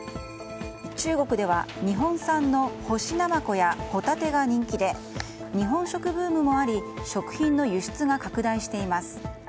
中国では日本産の干しナマコやホタテが人気で日本食ブームもあり食品の輸出が拡大しています。